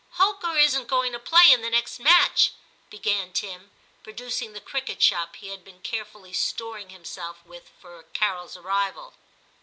* Holker isn't going to play in the next match/ began Tim, producing the cricket shop he had been carefully storing himself with for Carol's arrival.